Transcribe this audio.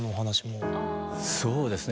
そうですね